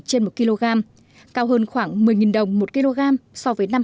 trên một kg cao hơn khoảng một mươi đồng một kg so với năm hai nghìn một mươi tám